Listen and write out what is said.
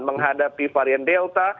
menghadapi varian delta